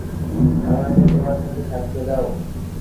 আমাকে তোমার সাথে থাকতে দাও।